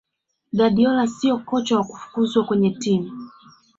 guardiola siyo kocha wa kufukuzwa kwenye timu